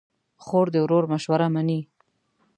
خور د ورور مشوره منې.